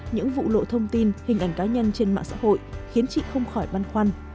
những vụ lộ thông tin hình ảnh cá nhân trên mạng xã hội khiến chị không khỏi băn khoăn